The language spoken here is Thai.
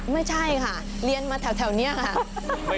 ไม่ใช่ค่ะเรียนมาแถวนี้ค่ะ